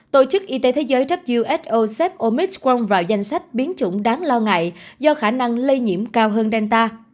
tổ chức y tế thế giới who xếp omixwan vào danh sách biến chủng đáng lo ngại do khả năng lây nhiễm cao hơn delta